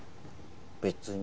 別に。